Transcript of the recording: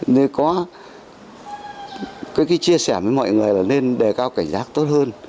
nên có cái chia sẻ với mọi người là nên đề cao cảnh giác tốt hơn